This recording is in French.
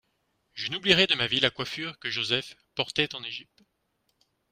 Je n'oublierai de ma vie la coiffure que Joseph portait en Égypte.